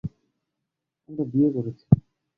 আমরা বিয়ে করেছি।